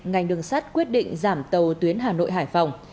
ngành đường sắt quyết định giảm tàu tuyến hà nội hải phòng